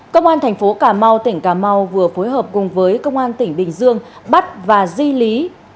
công an thành phố cà mau tỉnh cà mau vừa phối hợp cùng với công an tỉnh bình dương bắt và di lý